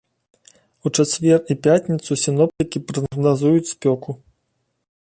У чацвер і пятніцу сіноптыкі прагназуюць спёку.